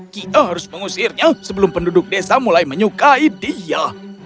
kita harus mengusirnya sebelum penduduk desa mulai menyukai dia